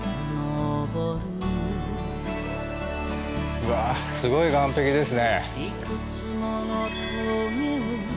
うわすごい岩壁ですね。